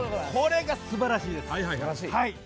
これが素晴らしいです。